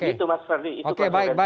itu mas ferdi itu konsepnya